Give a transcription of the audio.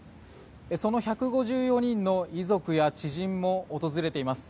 その１５４人の遺族や知人も訪れています。